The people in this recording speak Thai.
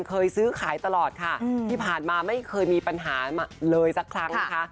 เคยซื้อขายตลอดค่ะที่ผ่านมาไม่เคยมีปัญหาเลยสักครั้งนะคะ